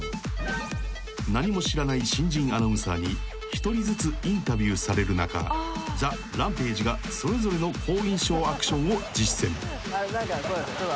［何も知らない新人アナウンサーに１人ずつインタビューされる中ＴＨＥＲＡＭＰＡＧＥがそれぞれの好印象アクションを実践］